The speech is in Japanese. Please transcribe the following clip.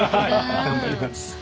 頑張ります。